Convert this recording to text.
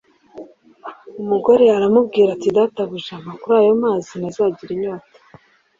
Umugore aramubwira ati, ” Databuja, mpa kuri ayo mazi ntazagira inyota,